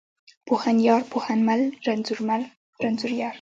پوهنيار، پوهنمل، رنځورمل، رنځوریار.